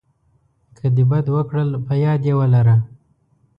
که د بد وکړل په یاد یې ولره .